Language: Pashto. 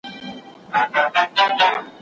د حساب سترګي ړندې دي څوک نیکنام دی څوک بد نام دی